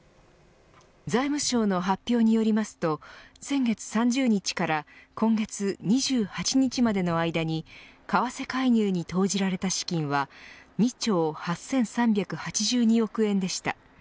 財務省の発表によりますと先月３０日から今月２８日までの間に為替介入に投じられた資金は２兆８３８２億円でした。